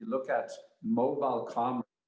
jika kita melihat komputer mobil